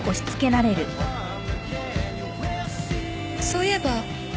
そういえば